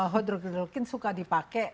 hydrochloroquine suka dipakai